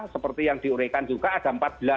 seperti yang diurekan juga ada